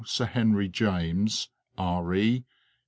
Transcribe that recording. Sir Henry James, R.E.